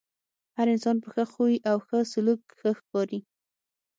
هر انسان په ښۀ خوی او ښۀ سلوک ښۀ ښکاري .